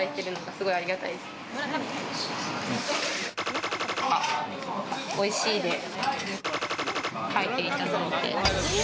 すごいありがたいです。とか、おいしいって書いていただいて。